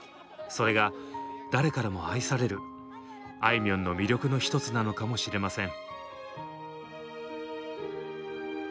それが誰からも愛されるあいみょんの魅力の一つなのかもしれません。